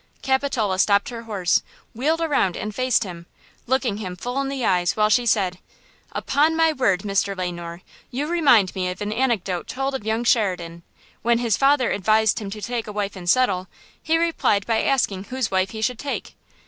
Capitola stopped her horse, wheeled around and faced him, looking him full in the eyes while she said: "Upon my word, Mr. Le Noir, you remind me of an anecdote told of young Sheridan. When his father advised him to take a wife and settle, he replied by asking whose wife he should take.